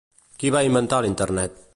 Qui va inventar l'internet?